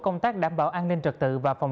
chúng ta đã quản lý rất rõ